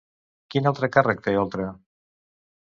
Quin altre càrrec té Oltra?